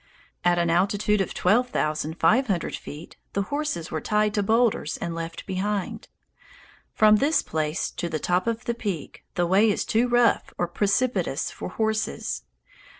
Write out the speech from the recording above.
At an altitude of twelve thousand five hundred feet the horses were tied to boulders and left behind. From this place to the top of the peak the way is too rough or precipitous for horses.